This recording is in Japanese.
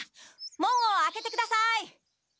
門を開けてください。